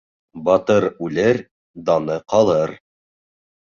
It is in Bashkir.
Батыр үлер, даны ҡалыр.